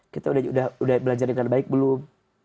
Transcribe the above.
kita udah belajar dengan baik belum